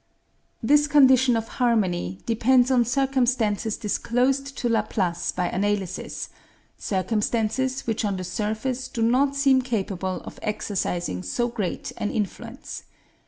This condition of harmony depends on circumstances disclosed to Laplace by analysis; circumstances which on the surface do not seem capable of exercising so great an influence.